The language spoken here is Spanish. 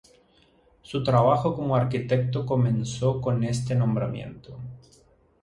Su trabajo como arquitecto comenzó con este nombramiento.